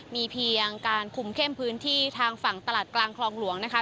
มีเพียงการคุมเข้มพื้นที่ทางฝั่งตลาดกลางคลองหลวงนะคะ